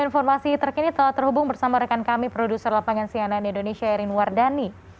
untuk informasi terkini telah terhubung bersama rekan kami produser lapangan siana di indonesia irin wardani